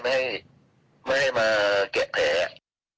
ไม่ให้มาแกะแผล